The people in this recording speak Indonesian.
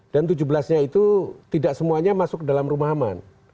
dan tujuh belas nya itu tidak semuanya masuk ke dalam rumah aman